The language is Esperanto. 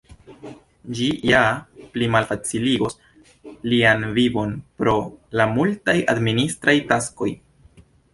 Ĝi ja plimalfaciligos lian vivon pro la multaj administraj taskoj.